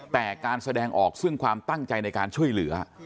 แต่การแสดงออกซึ่งความตั้งใจในการช่วยเหลือ